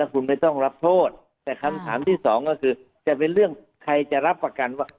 คุณไม่ต้องรับโทษแต่คำถามที่สองก็คือจะเป็นเรื่องใครจะรับประกันว่า